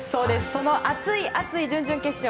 その熱い、熱い準々決勝。